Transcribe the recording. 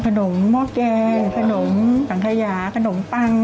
ขนมหม้อกแจงขนมสังทะยาขนมปัง